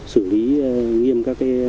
xử lý nghiêm các cái